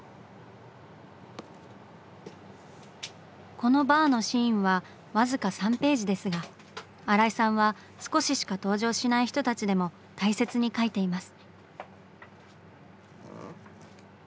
このバーのシーンはわずか３ページですが新井さんは少ししか登場しない人たちでも大切に描いています。